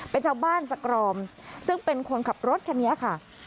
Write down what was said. เป็นชาวบ้านสกรออมซึ่งเป็นคนขับรถคันนี้ค่ะ